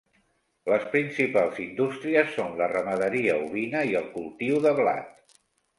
Les principals indústries són la ramaderia ovina i el cultiu de blat.